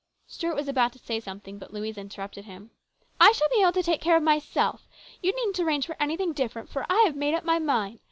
Stuart was about to say something, but Louise interrupted him. " I shall be able to take care of myself. You needn't arrange for anything different, for I have made up my mind.